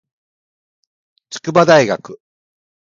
筑波大学